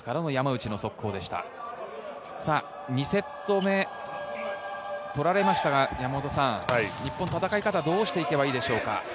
２セット目、取られましたが、日本、戦い方どうしていけばいいですか？